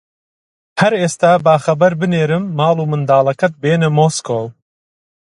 هەر ئێستا با خەبەر بنێرم ماڵ و منداڵەکەت بێنە مۆسکۆ